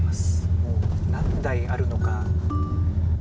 もう、何台あるのか。